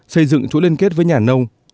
xây dựng chủ liên kết với nhà nông